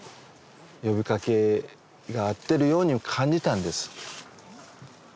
呼びかけがあるように感じたんです。